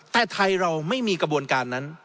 แต่ไทยเราไม่มีกระบวนการนั้น